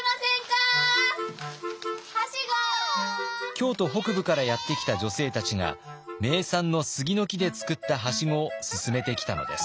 京都北部からやって来た女性たちが名産の杉の木で作ったはしごをすすめてきたのです。